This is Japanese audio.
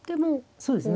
そうですね。